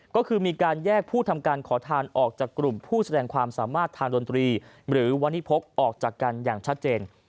ก็คือมีการแยกผู้ทำการขอทานออกจากกลุ่มผู้แสดงความสามารถทางดนตรีหรือวันนี้พกออกจากกันอย่างชัดเจน